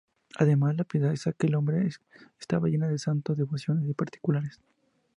Además, la piedad de aquel hombre estaba llena de santos y devociones particulares.